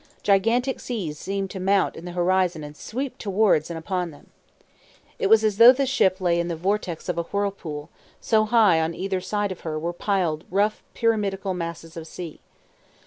Gigantic seas seemed to mount in the horizon and sweep towards and upon them. It was as though the ship lay in the vortex of a whirlpool, so high on either side of her were piled the rough pyramidical masses of sea.